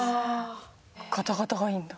ガタガタがいいんだ。